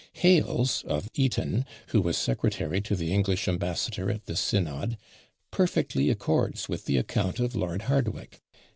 Hales, of Eaton, who was secretary to the English ambassador at this synod, perfectly accords with the account of Lord Hardwicke.